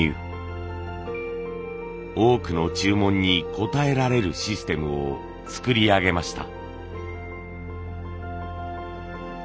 多くの注文に応えられるシステムを作り上げました。